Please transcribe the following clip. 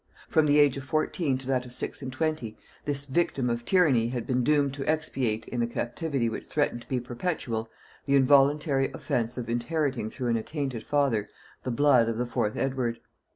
From the age of fourteen to that of six and twenty, this victim of tyranny had been doomed to expiate in a captivity which threatened to be perpetual, the involuntary offence of inheriting through an attainted father the blood of the fourth Edward.